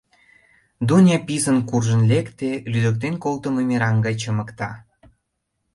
Дуня писын куржын лекте, лӱдыктен колтымо мераҥ гай чымыкта.